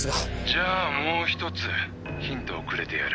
「じゃあもう１つヒントをくれてやる」